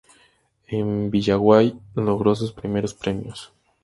En Villaguay logró sus primeros premios.